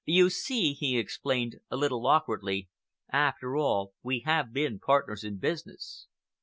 You see," he explained, a little awkwardly, "after all, we have been partners in business."